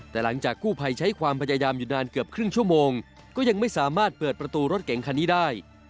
แต่หลังจากกู้ภัยใช้ความพยายามอยู่นานเกือบครึ่งชั่วโมงก็ยังไม่สามารถเปิดประตูรถเก๋งคันนี้ได้